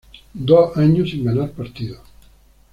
Dos años sin ganar partidos.